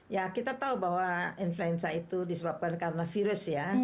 ya kita tahu bahwa influenza itu disebabkan karena virus ya